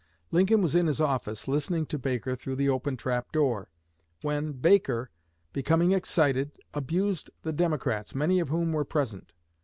Lincoln was in his office listening to Baker through the open trap door, when Baker, becoming excited, abused the Democrats, many of whom were present.